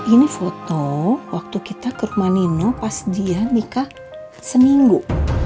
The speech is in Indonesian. ini foto waktu kita ke rumah nino pas dia nikah seminggu